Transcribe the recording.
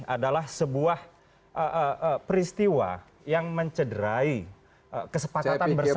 adalah sebuah peristiwa yang mencederai kesepakatan bersama